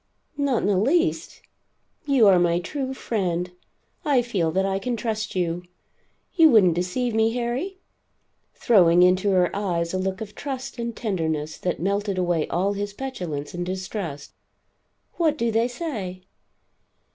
"Not in the least. You are my true friend. I feel that I can trust you. You wouldn't deceive me, Harry?" throwing into her eyes a look of trust and tenderness that melted away all his petulance and distrust. "What do they say?"